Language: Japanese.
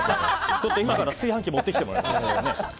ちょっと今から炊飯器持ってきてもらって。